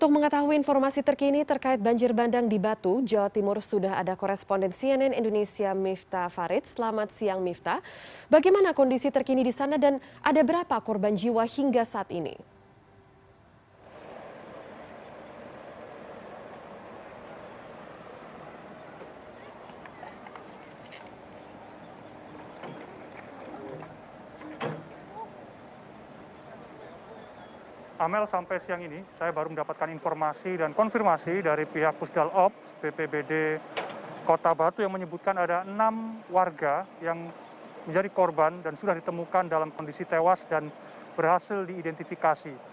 ketua pusgal ops bpbd kota batu menyebutkan ada enam warga yang menjadi korban dan sudah ditemukan dalam kondisi tewas dan berhasil diidentifikasi